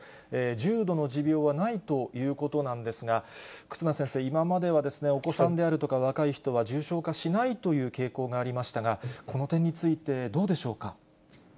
重度の持病はないということなんですが、忽那先生、今まではお子さんであるとか、若い人は重症化しないという傾向がありましたが、この点について、どうでしょうか。